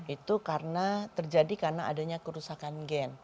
itu karena terjadi karena adanya kerusakan gen